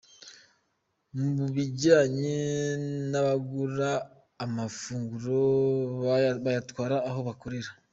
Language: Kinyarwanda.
Ku bijyanye n'abagura amafunguro bayatwara aho bakorera.